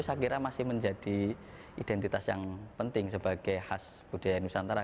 saya kira masih menjadi identitas yang penting sebagai khas budaya nusantara